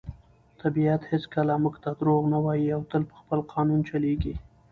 طبیعت هیڅکله موږ ته دروغ نه وایي او تل په خپل قانون چلیږي.